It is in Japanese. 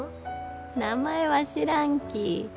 名前は知らんき。